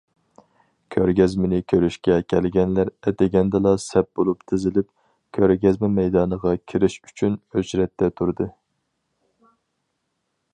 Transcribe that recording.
كۆرگەزمىنى كۆرۈشكە كەلگەنلەر ئەتىگەندىلا سەپ بولۇپ تىزىلىپ، كۆرگەزمە مەيدانىغا كىرىش ئۈچۈن ئۆچرەتتە تۇردى.